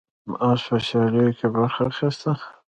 اس په سیالیو کې برخه اخیسته.